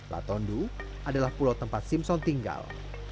latondu adalah pulau tempat simpson tinggal